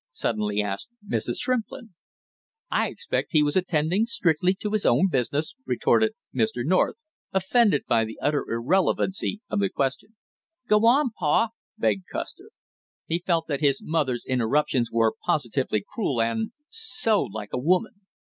suddenly asked Mrs. Shrimplin. "I expect he was attending strictly to his own business," retorted Mr. Shrimplin, offended by the utter irrelevancy of the question. "Go on, pal" begged Custer. He felt that his mother's interruptions were positively cruel, and so like a woman!